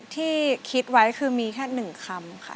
ที่คิดไว้คือมีแค่๑คำค่ะ